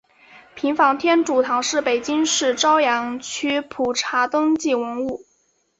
平房天主堂是北京市朝阳区普查登记文物。